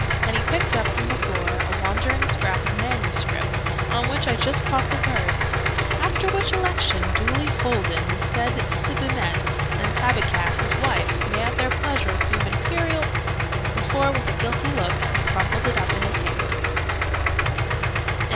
And he picked up from the floor a wandering scrap of manuscript, on which I just caught the words 'after which Election duly holden the said Sibimet and Tabikat his wife may at their pleasure assume Imperial ' before, with a guilty look, he crumpled it up in his hand.